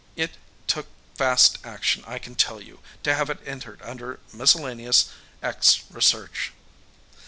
It took fast action, I can tell you, to have it entered under Miscellaneous "X" Research.